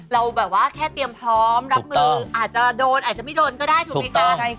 เราแบบว่าแค่เตรียมพร้อมรับมืออาจจะโดนอาจจะไม่โดนก็ได้ถูกไหมคะ